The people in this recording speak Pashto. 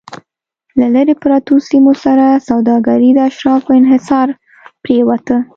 له لرې پرتو سیمو سره سوداګري د اشرافو انحصار پرېوته